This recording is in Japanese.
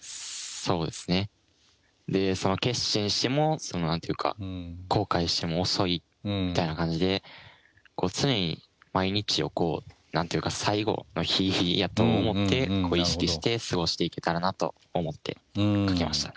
そうですねでその決心しても何て言うか後悔しても遅いみたいな感じで常に毎日を最後の日やと思って意識して過ごしていけたらなと思って書きました。